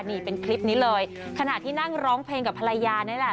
นี่เป็นคลิปนี้เลยขณะที่นั่งร้องเพลงกับภรรยานี่แหละ